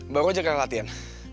baru aja ke latihan